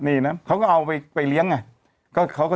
นี่นะเขาก็เอาไปเลี้ยงไง